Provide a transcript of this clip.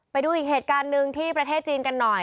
ไปดูอีกเหตุการณ์หนึ่งที่ประเทศจีนกันหน่อย